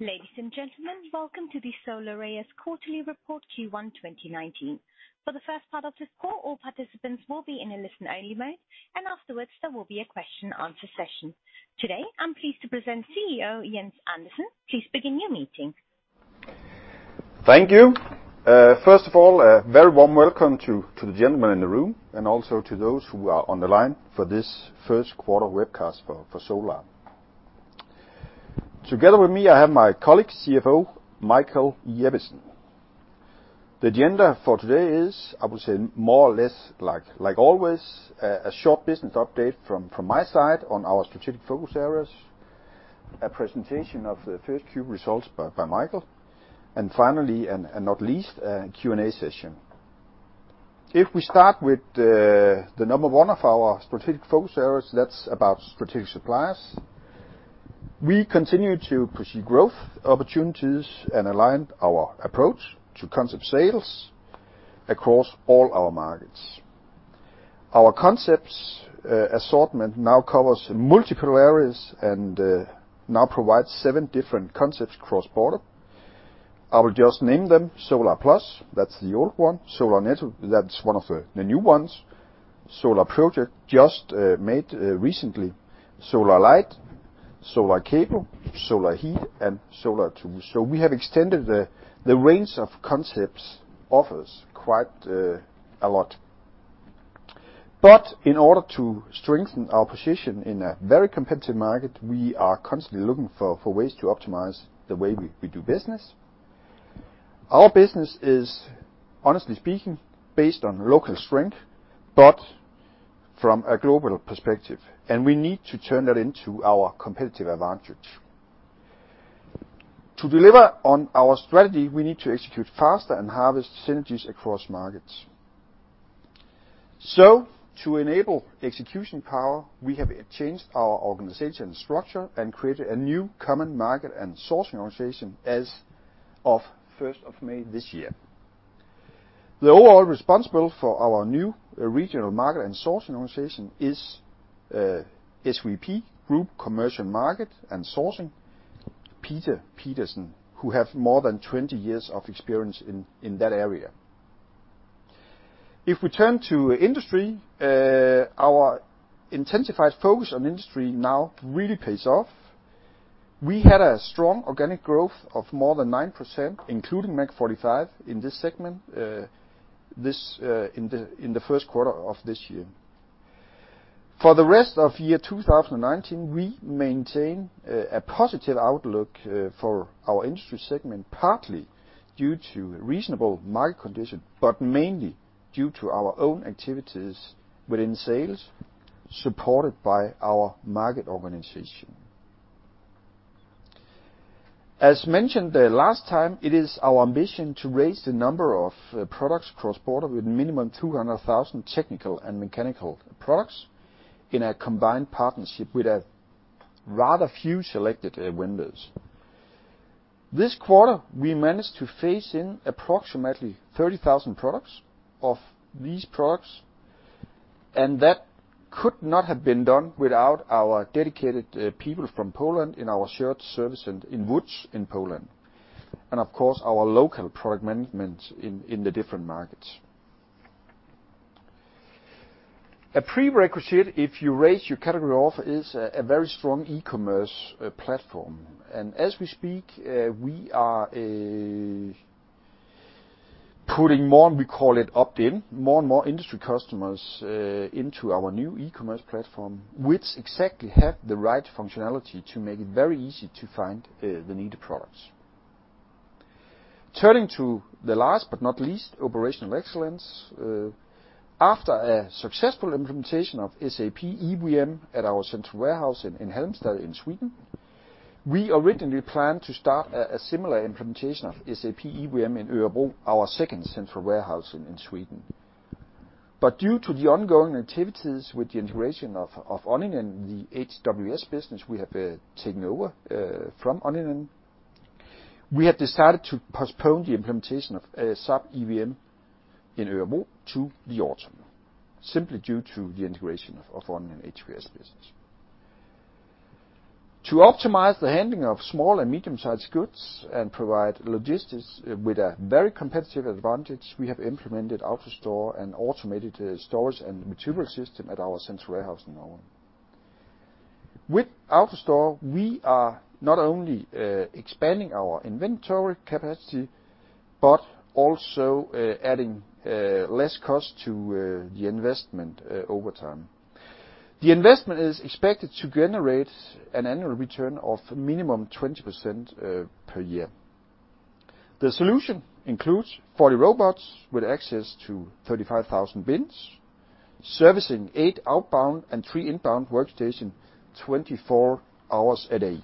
Ladies and gentlemen, welcome to the Solar A/S quarterly report Q1 2019. For the first part of this call, all participants will be in a listen-only mode, and afterwards there will be a question and answer session. Today, I'm pleased to present CEO, Jens Andersen. Please begin your meeting. Thank you. First of all, a very warm welcome to the gentlemen in the room, and also to those who are on the line for this first quarter webcast for Solar. Together with me, I have my colleague, CFO Michael Jeppesen. The agenda for today is, I would say, more or less like always, a short business update from my side on our strategic focus areas, a presentation of the first Q results by Michael, and finally, and not least, a Q&A session. We start with the number 1 of our strategic focus areas, that's about strategic suppliers. We continue to pursue growth opportunities and align our approach to concept sales across all our markets. Our concepts assortment now covers multiple areas and now provides seven different concepts cross-border. I will just name them, Solar Plus, that's the old one, Solar Net, that's one of the new ones. Solar Project, just made recently. Solar Light, Solar Cable, Solar Heat, and Solar Tools. We have extended the range of concepts offers quite a lot. In order to strengthen our position in a very competitive market, we are constantly looking for ways to optimize the way we do business. Our business is, honestly speaking, based on local strength, but from a global perspective, and we need to turn that into our competitive advantage. To deliver on our strategy, we need to execute faster and harvest synergies across markets. To enable execution power, we have changed our organization structure and created a new common market and sourcing organization as of 1st of May this year. The overall responsible for our new regional market and sourcing organization is SVP Group Commercial Market and Sourcing, Peter Pedersen, who have more than 20 years of experience in that area. We turn to industry, our intensified focus on industry now really pays off. We had a strong organic growth of more than 9%, including MAG45 in this segment, in the first quarter of this year. For the rest of year 2019, we maintain a positive outlook for our industry segment, partly due to reasonable market condition, but mainly due to our own activities within sales, supported by our market organization. As mentioned the last time, it is our ambition to raise the number of products cross-border with minimum 200,000 technical and mechanical products in a combined partnership with a rather few selected vendors. This quarter, we managed to phase in approximately 30,000 products of these products, and that could not have been done without our dedicated people from Poland in our shared service center in Lodz in Poland. Of course, our local product management in the different markets. A prerequisite if you raise your category offer is a very strong e-commerce platform. As we speak, we are putting more, and we call it opt-in, more and more industry customers into our new e-commerce platform, which exactly have the right functionality to make it very easy to find the needed products. Turning to the last but not least, operational excellence. After a successful implementation of SAP EWM at our central warehouse in Halmstad in Sweden, we originally planned to start a similar implementation of SAP EWM in Örebro, our second central warehouse in Sweden. Due to the ongoing activities with the integration of Onninen, the HVAC business we have taken over from Onninen, we have decided to postpone the implementation of SAP EWM in Örebro to the autumn, simply due to the integration of Onninen HVAC business. To optimize the handling of small and medium-sized goods and provide logistics with a very competitive advantage, we have implemented AutoStore and automated storage and material system at our central warehouse in Århus. With AutoStore, we are not only expanding our inventory capacity but also adding less cost to the investment over time. The investment is expected to generate an annual return of minimum 20% per year. The solution includes 40 robots with access to 35,000 bins, servicing eight outbound and three inbound workstations 24 hours a day.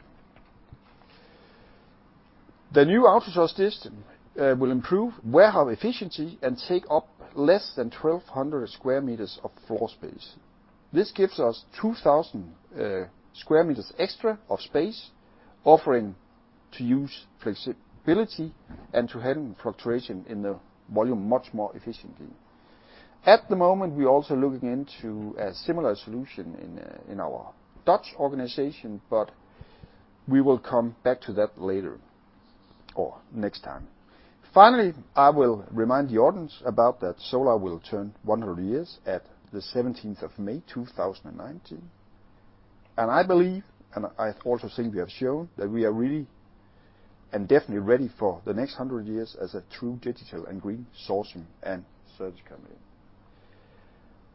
The new AutoStore system will improve warehouse efficiency and take up less than 1,200 sq m of floor space. This gives us 2,000 sq m extra of space, offering to use flexibility and to handle fluctuation in the volume much more efficiently. At the moment, we're also looking into a similar solution in our Dutch organization, but we will come back to that later or next time. Finally, I will remind the audience about that Solar will turn 100 years at the 17th of May, 2019, and I believe, and I also think we have shown, that we are really and definitely ready for the next 100 years as a true digital and green sourcing and search company.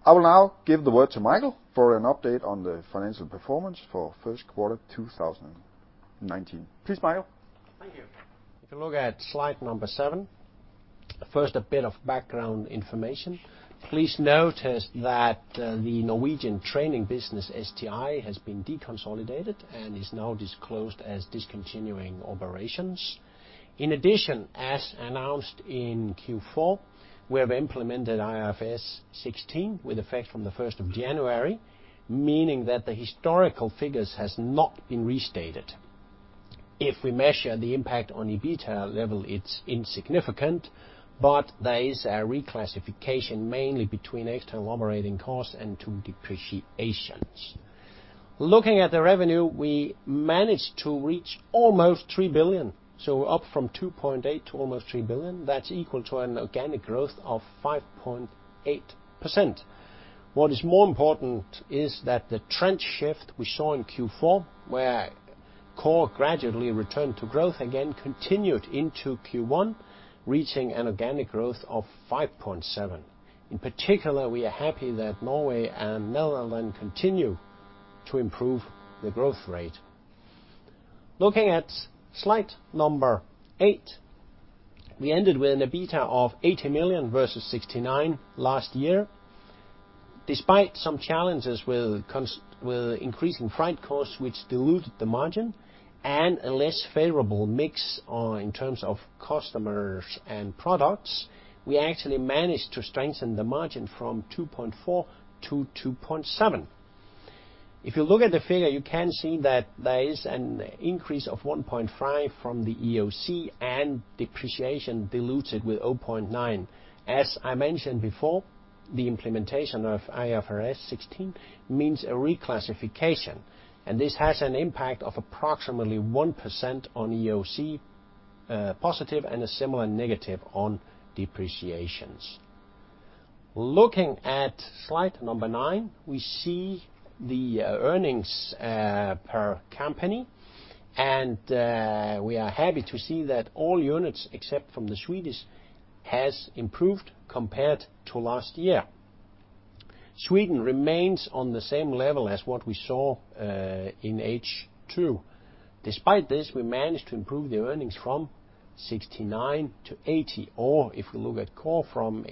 I will now give the word to Michael for an update on the financial performance for first quarter 2019. Please, Michael. Thank you. If you look at slide number seven, first, a bit of background information. Please notice that the Norwegian training business, STI, has been deconsolidated and is now disclosed as discontinuing operations. In addition, as announced in Q4, we have implemented IFRS 16 with effect from the 1st of January, meaning that the historical figures has not been restated. If we measure the impact on EBITDA level, it's insignificant, but there is a reclassification mainly between extra operating cost and to depreciations. Looking at the revenue, we managed to reach almost 3 billion, so up from 2.8 billion to almost 3 billion. That's equal to an organic growth of 5.8%. What is more important is that the trend shift we saw in Q4, where core gradually returned to growth again, continued into Q1, reaching an organic growth of 5.7%. In particular, we are happy that Norway and Netherlands continue to improve the growth rate. Looking at slide number eight, we ended with an EBITDA of 80 million versus 69 million last year. Despite some challenges with increasing freight costs, which diluted the margin, and a less favorable mix in terms of customers and products, we actually managed to strengthen the margin from 2.4% to 2.7%. If you look at the figure, you can see that there is an increase of 1.5 million from the EOC and depreciation dilutes it with 0.9 million. As I mentioned before, the implementation of IFRS 16 means a reclassification, and this has an impact of approximately 1% on EOC, positive, and a similar negative on depreciations. Looking at slide number nine, we see the earnings per company, and we are happy to see that all units, except from the Swedish, has improved compared to last year. Sweden remains on the same level as what we saw in H2. Despite this, we managed to improve the earnings from 69 million to 80 million, or if we look at core, from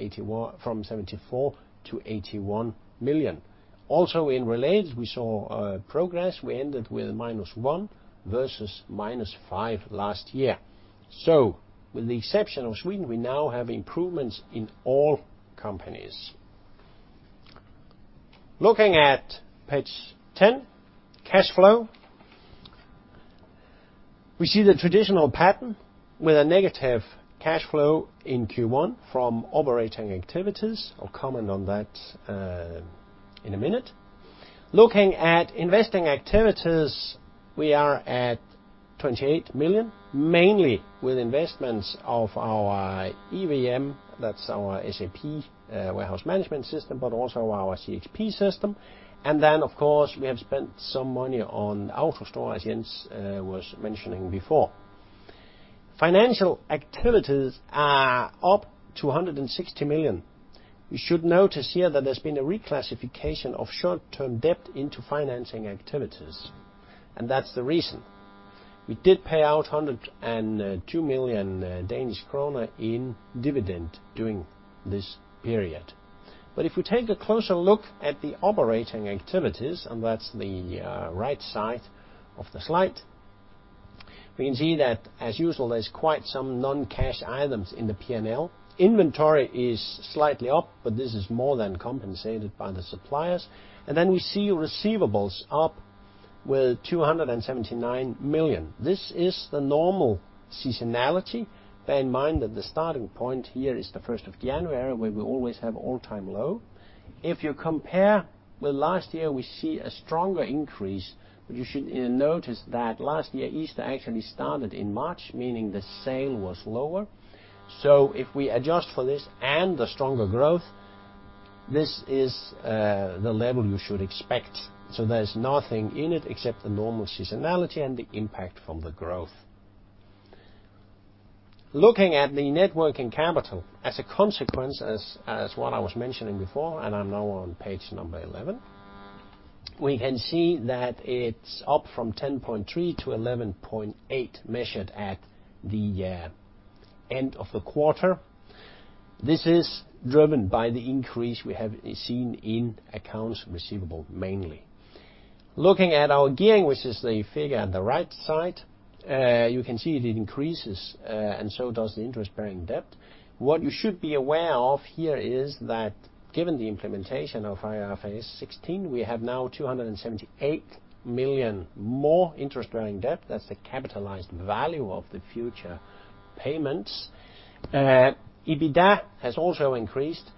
74 million to 81 million. Also in related, we saw progress. We ended with minus 1 million versus minus 5 million last year. With the exception of Sweden, we now have improvements in all companies. Looking at page 10, cash flow. We see the traditional pattern with a negative cash flow in Q1 from operating activities. I'll comment on that in a minute. Looking at investing activities, we are at 28 million, mainly with investments of our EWM, that's our SAP warehouse management system, but also our CHP system. And then, of course, we have spent some money on AutoStore, as Jens was mentioning before. Financial activities are up to 160 million. You should notice here that there's been a reclassification of short-term debt into financing activities. That's the reason. We did pay out 102 million Danish krone in dividend during this period. If we take a closer look at the operating activities, that's the right side of the slide, we can see that, as usual, there's quite some non-cash items in the P&L. Inventory is slightly up, but this is more than compensated by the suppliers. Then we see receivables up with 279 million. This is the normal seasonality. Bear in mind that the starting point here is the 1st of January, where we always have all-time low. If you compare with last year, we see a stronger increase, but you should notice that last year, Easter actually started in March, meaning the sale was lower. If we adjust for this and the stronger growth, this is the level you should expect. There's nothing in it except the normal seasonality and the impact from the growth. Looking at the net working capital, as a consequence, as what I was mentioning before, I'm now on page number 11, we can see that it's up from 10.3 to 11.8, measured at the end of the quarter. This is driven by the increase we have seen in accounts receivable, mainly. Looking at our gearing, which is the figure at the right side, you can see it increases and so does the interest-bearing debt. What you should be aware of here is that given the implementation of IFRS 16, we have now 278 million more interest-bearing debt. That's the capitalized value of the future payments. EBITDA has also increased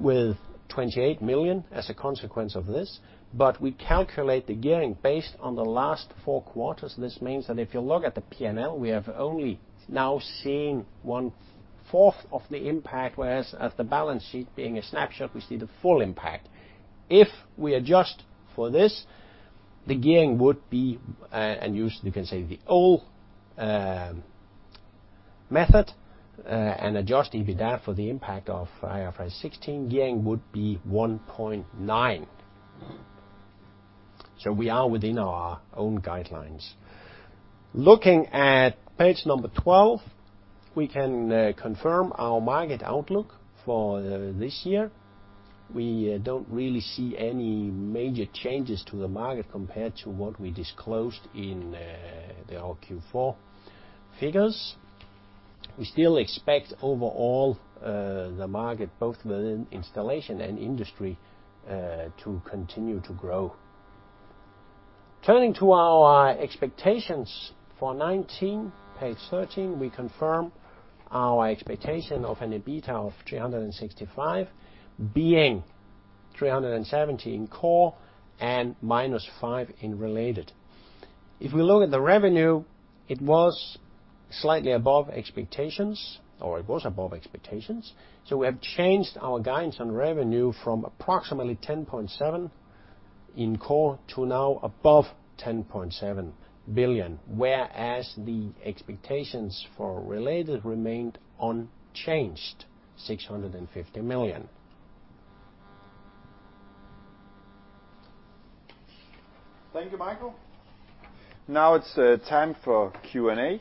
with 28 million as a consequence of this. We calculate the gearing based on the last four quarters. This means that if you look at the P&L, we have only now seen one-fourth of the impact, whereas at the balance sheet being a snapshot, we see the full impact. If we adjust for this, the gearing would be, and you can say the old method, and adjust EBITDA for the impact of IFRS 16, gearing would be 1.9. We are within our own guidelines. Looking at page number 12, we can confirm our market outlook for this year. We don't really see any major changes to the market compared to what we disclosed in our Q4 figures. We still expect overall the market, both within installation and industry, to continue to grow. Turning to our expectations for 2019, page 13, we confirm our expectation of an EBITDA of 365 million, being 370 million in core and minus 5 million in related. If we look at the revenue, it was slightly above expectations, or it was above expectations. We have changed our guidance on revenue from approximately 10.7 billion in core to now above 10.7 billion, whereas the expectations for related remained unchanged, DKK 650 million. Thank you, Michael. Now it's time for Q&A.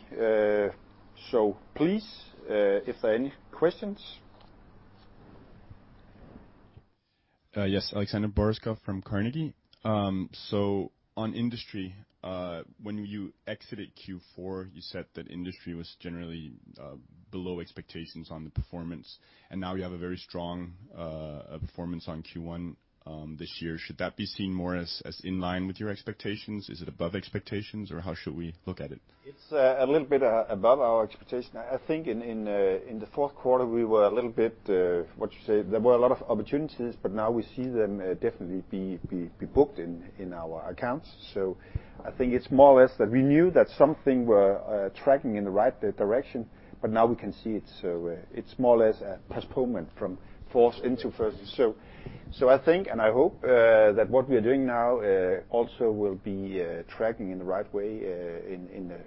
Please, if there are any questions. Yes. Alexander Borum from Carnegie. On industry, when you exited Q4, you said that industry was generally below expectations on the performance, and now you have a very strong performance on Q1 this year. Should that be seen more as in line with your expectations? Is it above expectations, or how should we look at it? It's a little bit above our expectation. In the fourth quarter, we were a little bit, there were a lot of opportunities, but now we see them definitely be booked in our accounts. It's more or less that we knew that something were tracking in the right direction, but now we can see it's more or less a postponement from fourth into first. And I hope that what we are doing now also will be tracking in the right way in the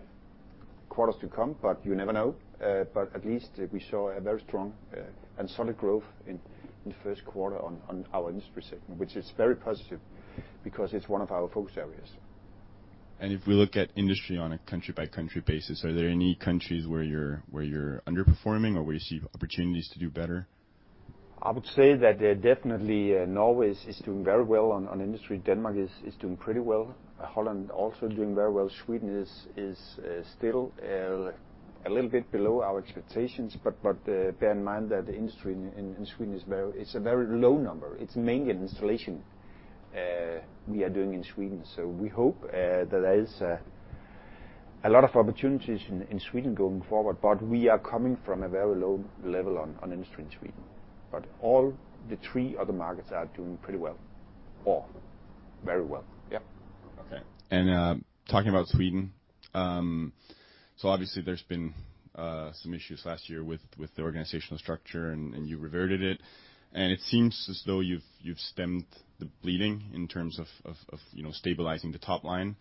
quarters to come, but you never know. At least we saw a very strong and solid growth in the first quarter on our industry segment, which is very positive because it's one of our focus areas. If we look at industry on a country-by-country basis, are there any countries where you're underperforming or where you see opportunities to do better? I would say that definitely Norway is doing very well on industry. Denmark is doing pretty well. Holland also doing very well. Sweden is still a little bit below our expectations, bear in mind that the industry in Sweden, it's a very low number. It's mainly in installation we are doing in Sweden. We hope that there is a lot of opportunities in Sweden going forward, we are coming from a very low level on industry in Sweden. All the three other markets are doing pretty well, or very well. Talking about Sweden, obviously there's been some issues last year with the organizational structure, you reverted it seems as though you've stemmed the bleeding in terms of stabilizing the top line.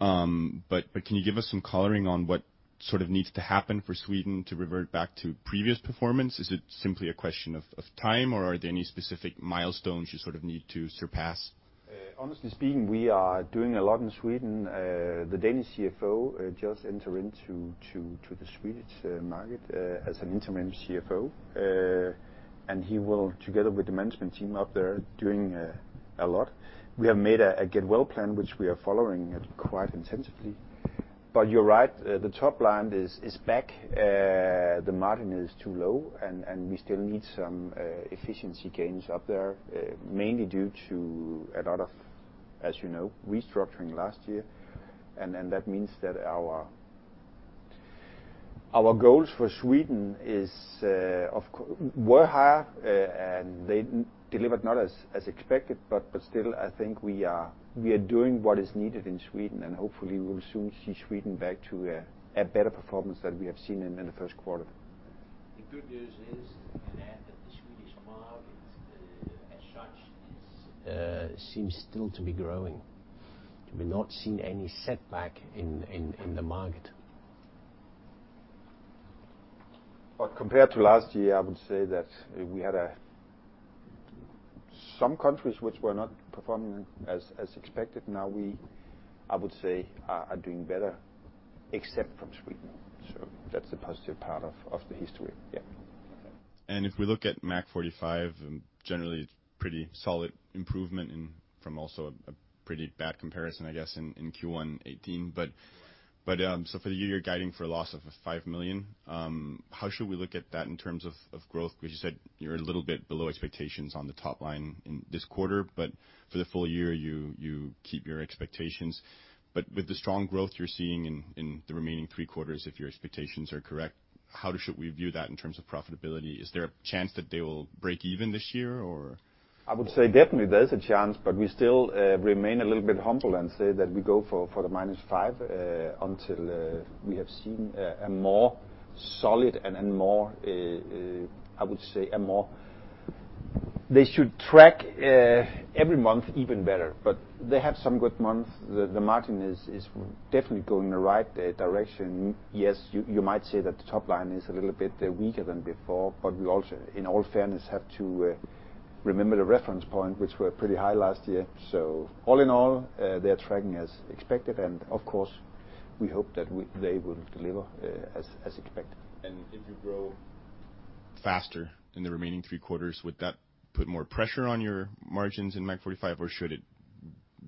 Can you give us some coloring on what sort of needs to happen for Sweden to revert back to previous performance? Is it simply a question of time, or are there any specific milestones you sort of need to surpass? Honestly speaking, we are doing a lot in Sweden. The Danish CFO just enter into the Swedish market as an interim CFO. He will, together with the management team up there, doing a lot. We have made a get well plan, which we are following quite intensively. You're right, the top line is back. The margin is too low, and we still need some efficiency gains up there, mainly due to a lot of, as you know, restructuring last year. That means that our goals for Sweden were higher, and they delivered not as expected, still, I think we are doing what is needed in Sweden, and hopefully we will soon see Sweden back to a better performance than we have seen in the first quarter. The good news is, I can add, that the Swedish market as such seems still to be growing. We've not seen any setback in the market. Compared to last year, I would say that we had some countries which were not performing as expected, now we, I would say, are doing better except from Sweden. That's the positive part of the history. Yeah. If we look at MAG45, generally pretty solid improvement from also a pretty bad comparison, I guess, in Q1 2018. For the year you're guiding for a loss of 5 million, how should we look at that in terms of growth? Because you said you're a little bit below expectations on the top line in this quarter, for the full year, you keep your expectations. With the strong growth you're seeing in the remaining three quarters, if your expectations are correct, how should we view that in terms of profitability? Is there a chance that they will break even this year or? I would say definitely there is a chance, but we still remain a little bit humble and say that we go for the -5%, until we have seen a more solid and more. They should track every month even better. They have some good months. The margin is definitely going in the right direction. Yes, you might say that the top line is a little bit weaker than before, but we also, in all fairness, have to remember the reference point, which were pretty high last year. All in all, they're tracking as expected. Of course, we hope that they will deliver as expected. If you grow faster in the remaining three quarters, would that put more pressure on your margins in MAG45? Should it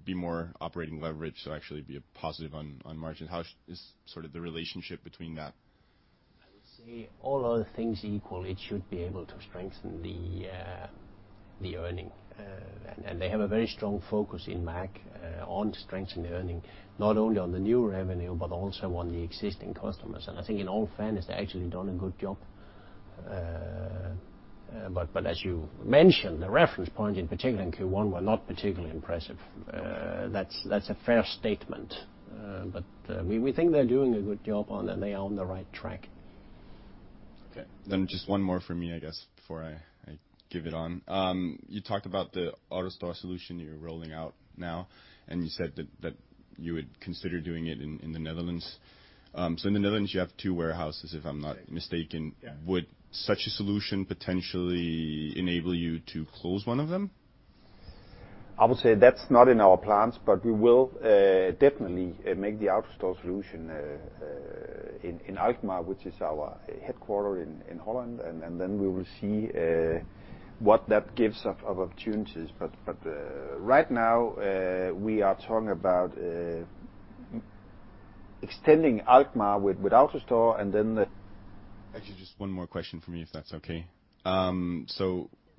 be more operating leverage, so actually be a positive on margins? How is sort of the relationship between that? I would say all other things equal, it should be able to strengthen the earning. They have a very strong focus in MAG, on strengthening the earning, not only on the new revenue, but also on the existing customers. I think in all fairness, they've actually done a good job. As you mentioned, the reference point in particular in Q1 were not particularly impressive. Okay. That's a fair statement. We think they're doing a good job and they are on the right track. Okay, just one more from me, I guess, before I give it on. You talked about the AutoStore solution you are rolling out now, and you said that you would consider doing it in the Netherlands. In the Netherlands, you have two warehouses, if I am not mistaken. Yeah. Would such a solution potentially enable you to close one of them? I would say that's not in our plans, we will definitely make the AutoStore solution in Alkmaar, which is our headquarter in Holland. We will see what that gives of opportunities. Right now, we are talking about extending Alkmaar with AutoStore. Actually, just one more question from me, if that's okay.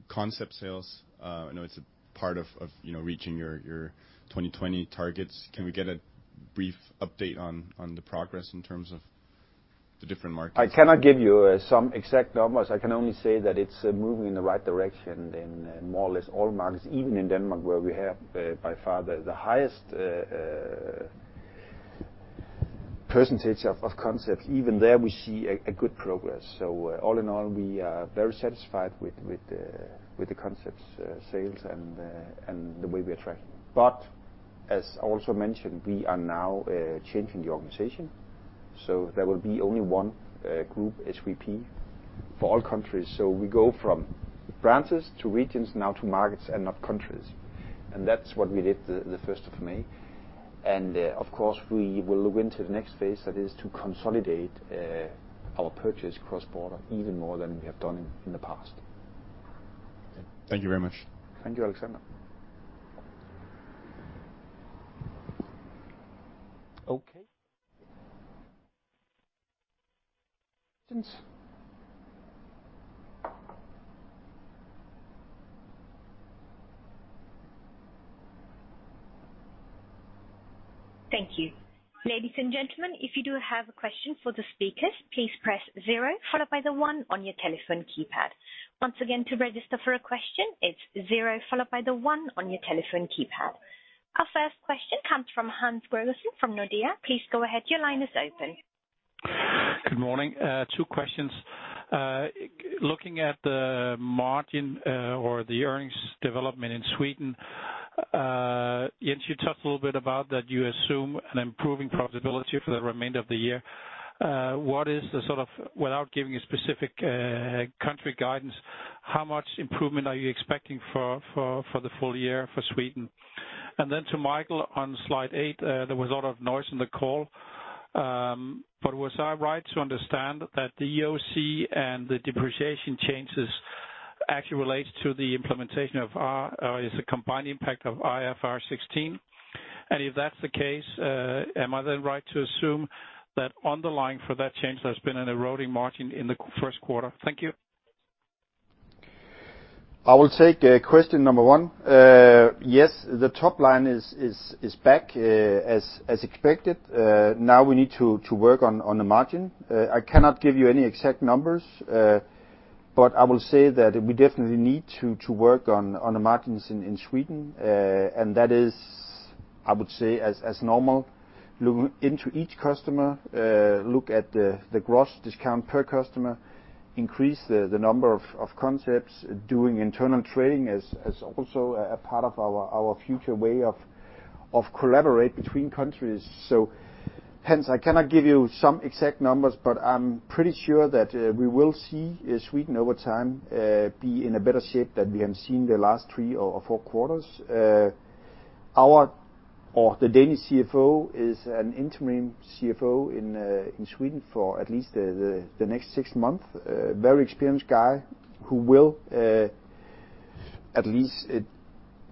Concept sales, I know it's a part of reaching your 2020 targets. Can we get a brief update on the progress in terms of the different markets? I cannot give you some exact numbers. I can only say that it's moving in the right direction in more or less all markets, even in Denmark, where we have by far the highest percentage of concepts. Even there, we see a good progress. All in all, we are very satisfied with the concepts sales and the way we are tracking. As also mentioned, we are now changing the organization. There will be only one group SVP for all countries. We go from branches to regions now to markets and not countries. That's what we did the 1st of May. Of course, we will look into the next phase, that is to consolidate our purchase cross-border even more than we have done in the past. Okay. Thank you very much. Thank you, Alexander. Okay. Thank you. Ladies and gentlemen, if you do have a question for the speakers, please press zero followed by the one on your telephone keypad. Once again, to register for a question, it's zero followed by the one on your telephone keypad. Our first question comes from Hans from Nordea. Please go ahead. Your line is open. Good morning. Two questions. Looking at the margin, or the earnings development in Sweden, Jens, you talked a little bit about that you assume an improving profitability for the remainder of the year. What is the sort of, without giving a specific country guidance, how much improvement are you expecting for the full year for Sweden? Was I right to understand that the EOC and the depreciation changes actually relates to the implementation of IFRS, or is the combined impact of IFRS 16? If that's the case, am I then right to assume that underlying for that change, there's been an eroding margin in the first quarter? Thank you. I will take question number 1. Yes, the top line is back as expected. Now we need to work on the margin. I cannot give you any exact numbers. I will say that we definitely need to work on the margins in Sweden. That is, I would say as normal, look into each customer, look at the gross discount per customer, increase the number of concepts, doing internal trading as also a part of our future way of collaborate between countries. Hence, I cannot give you some exact numbers, but I'm pretty sure that we will see Sweden over time be in a better shape than we have seen the last three or four quarters. The Danish CFO is an interim CFO in Sweden for at least the next six months. A very experienced guy who will at least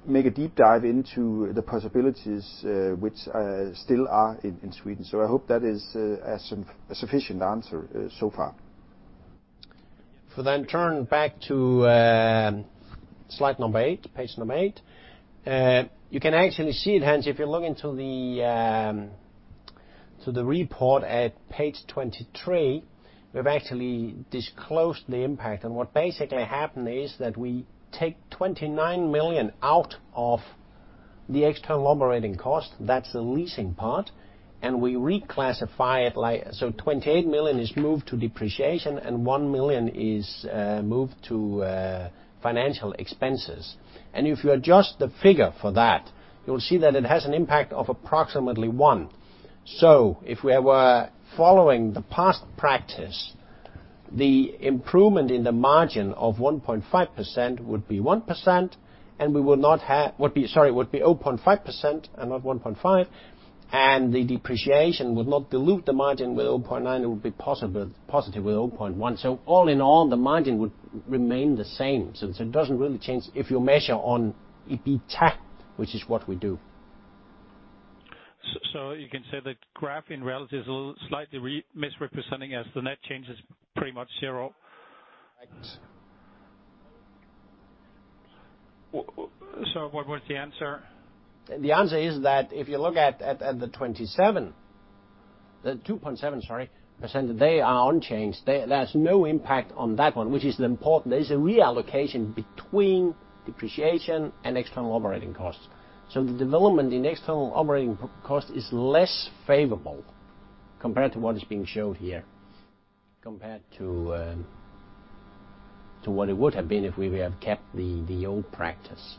make a deep dive into the possibilities which still are in Sweden. I hope that is a sufficient answer so far. If we turn back to slide number 8, page number 8. You can actually see it, Hans, if you look into the report at page 23, we've actually disclosed the impact and what basically happened is that we take 29 million out of the external operating cost. That's the leasing part, and we reclassify it. 28 million is moved to depreciation and 1 million is moved to financial expenses. If you adjust the figure for that, you will see that it has an impact of approximately 1. If we were following the past practice, the improvement in the margin of 1.5% would be 1%, and we would not have Sorry, would be 0.5% and not 1.5, and the depreciation would not dilute the margin with 0.9, it would be positive with 0.1. All in all, the margin would remain the same. It doesn't really change if you measure on EBITA, which is what we do. You can say the graph in relative is slightly misrepresenting as the net change is pretty much zero. Right. What was the answer? The answer is that if you look at the 2.7%, they are unchanged. There's no impact on that one, which is important. There's a reallocation between depreciation and external operating costs. The development in external operating cost is less favorable compared to what is being showed here, compared to what it would have been if we would have kept the old practice.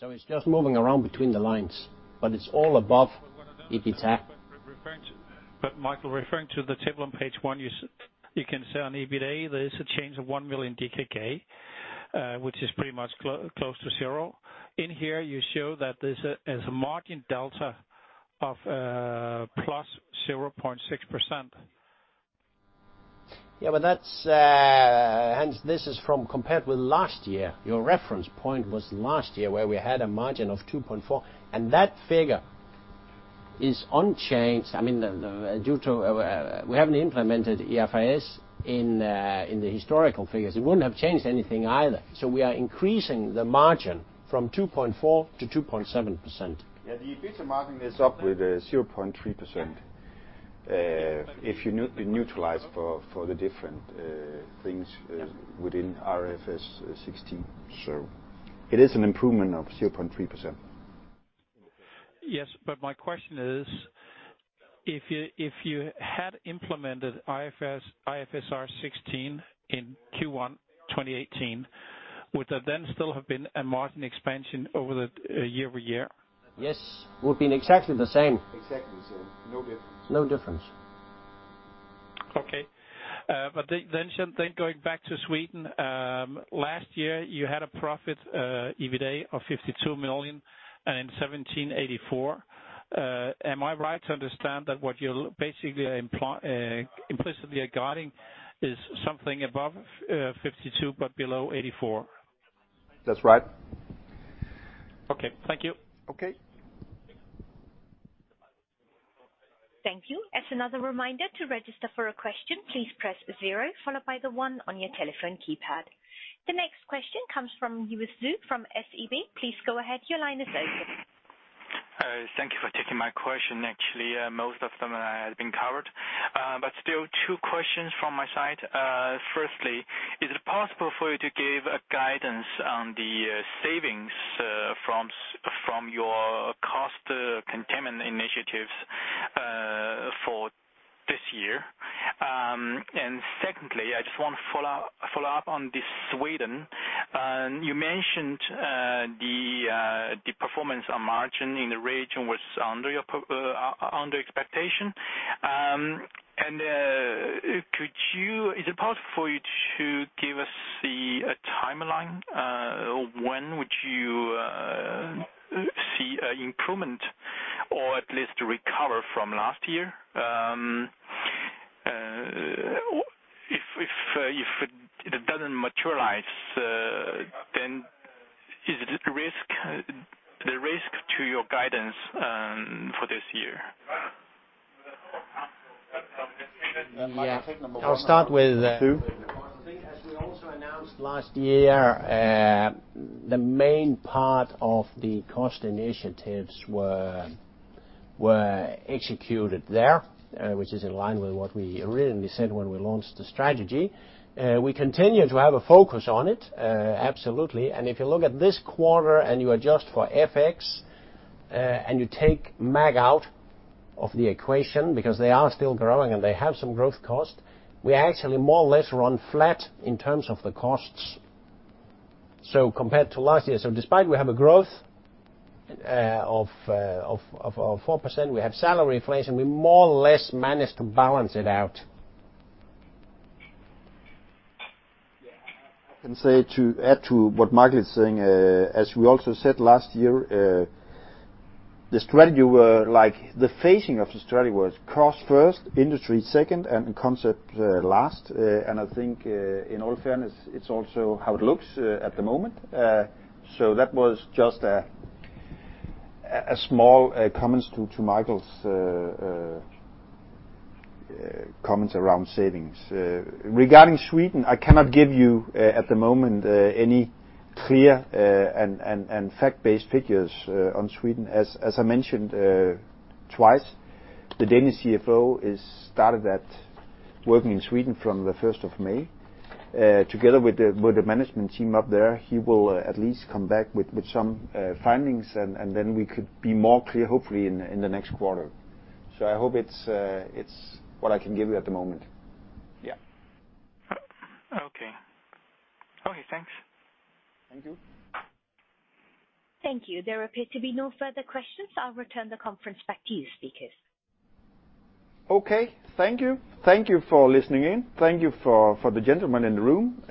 It's just moving around between the lines, but it's all above EBITA. Michael, referring to the table on page one, you can say on EBITA, there's a change of 1 million DKK, which is pretty much close to zero. In here, you show that there's a margin delta of a plus 0.6%. Hans, this is from compared with last year. Your reference point was last year where we had a margin of 2.4%, and that figure is unchanged. We haven't implemented IFRS in the historical figures. It wouldn't have changed anything either. We are increasing the margin from 2.4% to 2.7%. The EBITDA margin is up with 0.3% if you neutralize for the different things within IFRS 16. It is an improvement of 0.3%. Yes, my question is, if you had implemented IFRS 16 in Q1 2018, would there then still have been a margin expansion over the year-over-year? Yes. Would've been exactly the same. Exactly the same. No difference. No difference. Going back to Sweden. Last year you had a profit EBITDA of 52 million and in 2017, 84 million. Am I right to understand that what you are basically implicitly are guiding is something above 52 but below 84? That's right. Okay. Thank you. Okay. Thank you. As another reminder, to register for a question, please press zero followed by the one on your telephone keypad. The next question comes from Yu Zhu from SEB. Please go ahead. Your line is open. Thank you for taking my question. Actually, most of them have been covered. Still two questions from my side. Firstly, is it possible for you to give a guidance on the savings from your cost containment initiatives for this year? Secondly, I just want to follow up on this Sweden. You mentioned the performance on margin in the region was under expectation. Is it possible for you to give us the timeline, when would you see improvement or at least recover from last year? If it doesn't materialize, is it the risk to your guidance for this year? I'll start with- Yu. I think as we also announced last year, the main part of the cost initiatives were executed there, which is in line with what we originally said when we launched the strategy. We continue to have a focus on it, absolutely. If you look at this quarter and you adjust for FX, and you take MAG out of the equation because they are still growing and they have some growth cost. We actually more or less run flat in terms of the costs. Compared to last year. Despite we have a growth of 4%, we have salary inflation, we more or less managed to balance it out. I can say to add to what Michael Jeppesen is saying, as we also said last year, the strategy was like the phasing of the strategy was cost first, industry second, and concept last. I think, in all fairness, it's also how it looks at the moment. That was just a small comment to Michael's comments around savings. Regarding Sweden, I cannot give you at the moment any clear and fact-based figures on Sweden. As I mentioned twice, the Danish CFO started working in Sweden from the 1st of May. Together with the management team up there, he will at least come back with some findings, we could be more clear, hopefully in the next quarter. I hope it's what I can give you at the moment. Yeah. Okay. Thanks. Thank you. Thank you. There appear to be no further questions. I'll return the conference back to you, speakers. Okay, thank you. Thank you for listening in. Thank you for the gentlemen in the room.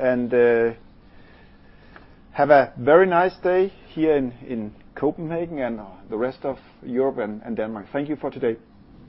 Have a very nice day here in Copenhagen and the rest of Europe and Denmark. Thank you for today.